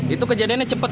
itu kejadiannya cepet